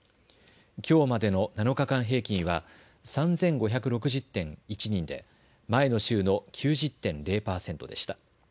きょうまでの７日間平均は３５６０．１人で前の週の９０．０％でした。